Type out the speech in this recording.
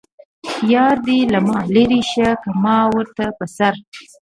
یار دې له ما لرې شه ما ورته په سر.